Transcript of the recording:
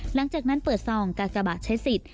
หลังจากนั้นเปิดซองกากระบะใช้สิทธิ์